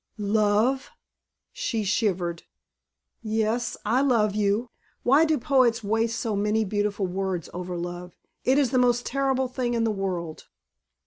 "Love!" She shivered. "Yes, I love you. Why do poets waste so many beautiful words over love? It is the most terrible thing in the world."